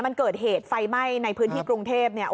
มันเกิดเหตุไฟไหม้ในพื้นที่กรุงเทพเนี่ย